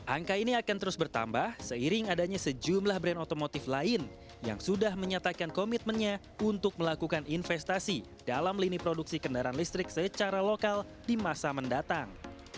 angka ini akan terus bertambah seiring adanya sejumlah brand otomotif lain yang sudah menyatakan komitmennya untuk melakukan investasi dalam lini produksi kendaraan listrik secara lokal di masa mendatang